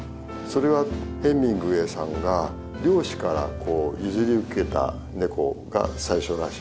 それはヘミングウェイさんが漁師から譲り受けたネコが最初らしいです。